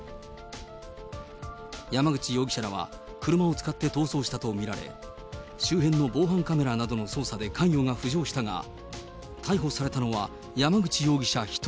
山口容疑者らは、車を使って逃走したと見られ、周辺の防犯カメラなどの捜査で関与が浮上したが、逮捕されたのは山口容疑者１人。